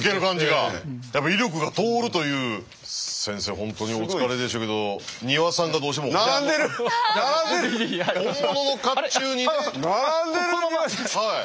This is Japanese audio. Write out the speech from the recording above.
本当にお疲れでしょうけど丹羽さんがどうしても。本物の甲冑にね。